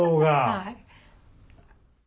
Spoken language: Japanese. はい。